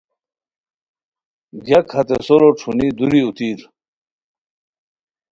گیاک ہتے سورو ݯھونی دُوری اوتیر